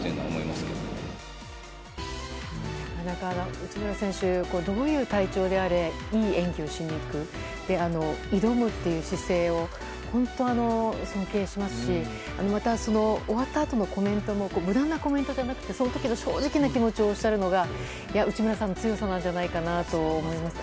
内村選手どういう体調であれいい演技をしにいく挑むという姿勢は本当、尊敬しますしまた終わったあとのコメントも無駄なコメントじゃなくてその時の正直な気持ちをおっしゃるのが内村さんの強さなんじゃないかなと思いました。